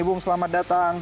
bung selamat datang